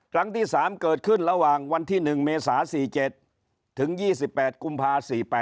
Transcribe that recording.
ครั้งที่๓เกิดขึ้นระหว่างวันที่๑เมษา๔๗ถึง๒๘กุมภา๔๘